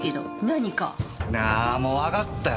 あもうわかったよ。